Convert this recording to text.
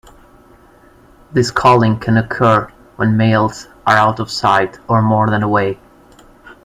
This calling can occur when males are out of sight or more than away.